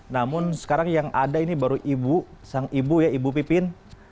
namun sekarang yang ada ini baru ibu sang ibu ya ibu pipin